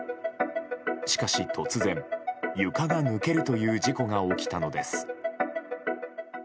しかし突然、床が抜けるという事故が起きたのです。